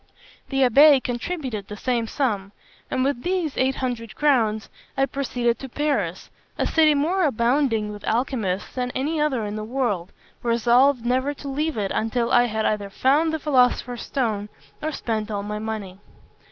The abbé contributed the same sum; and with these eight hundred crowns I proceeded to Paris, a city more abounding with alchymists than any other in the world, resolved never to leave it until I had either found the philosopher's stone or spent all my money.